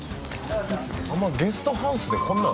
あんまゲストハウスでこんなん。